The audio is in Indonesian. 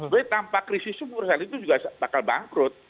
tapi tanpa krisis semua perusahaan itu juga bakal bangkrut